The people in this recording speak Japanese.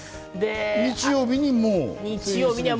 日曜日にもう？